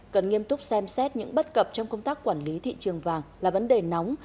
cần nghiêm túc xem xét những bất cập trong công tác quản lý thị trường vàng là vấn đề nóng